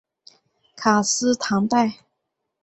卡斯唐代。